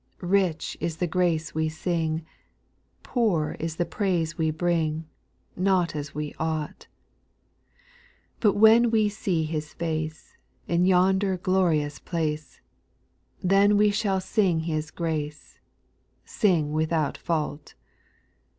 3 Rich is the grace we sing, Poor is the praise we bring, Not as we ought ; But when we see His face. In yonder glorious place, Then we shall sing His grace, Sing without fault.